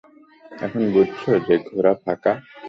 এখন বুঝছো যে ঘোড়া ফাঁকা?